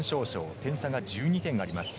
点差が１２点あります。